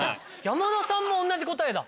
山田さんも同じ答えだ。